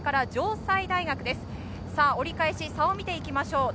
折り返しの差を見ていきましょう。